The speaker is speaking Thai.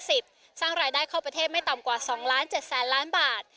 สร้างรายได้เข้าประเทศไม่ต่ำกว่า๒๗๐๐๐๐๐บาท